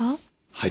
はい。